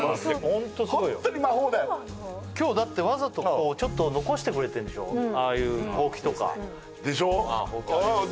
ホントすごいよ今日だってわざとここちょっと残してくれてるんでしょああいうほうきとかでしょ？